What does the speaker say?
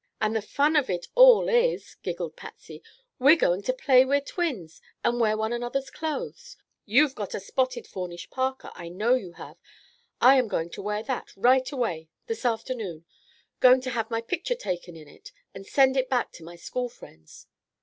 "And the fun of it all is," giggled Patsy, "we're going to play we're twins and wear one another's clothes. You've got a spotted fawnskin parka, I know you have. I'm going to wear that, right away—this afternoon. Going to have my picture taken in it and send it back to my school friends."